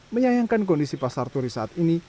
menyayangkan kondisi pasar turi saat ini